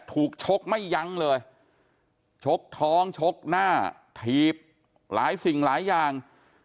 ชกไม่ยั้งเลยชกท้องชกหน้าถีบหลายสิ่งหลายอย่าง